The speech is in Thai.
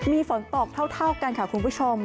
มีฝนตกเท่ากันค่ะคุณผู้ชม